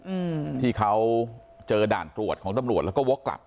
อืมที่เขาเจอด่านตรวจของตำรวจแล้วก็วกกลับ